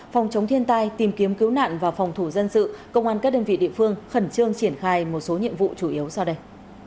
phòng chống thiên tai tìm kiếm cứu nạn và phòng thủ dân sự công an các đơn vị địa phương khẩn trương triển khai một số nhiệm vụ chủ yếu sau đây